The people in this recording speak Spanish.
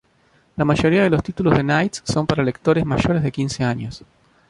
La mayoría de los títulos de Knights son para lectores mayores de quince años.